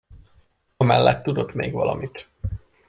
Amellett tudott még valamit.